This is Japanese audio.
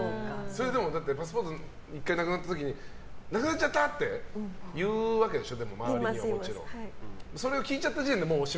パスポート１回なくなった時になくなっちゃった！って言うわけでしょ？